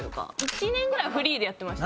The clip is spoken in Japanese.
１年ぐらいフリーでやってました。